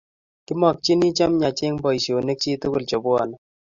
Kimakchini chemiach eng boishonik chik tukul chebwoni